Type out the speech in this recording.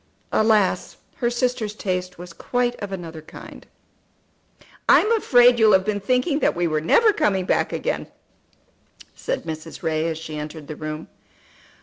Alas, her sister's taste was quite of another kind! "I'm afraid you will have been thinking that we were never coming back again," said Mrs. Ray, as she entered the room.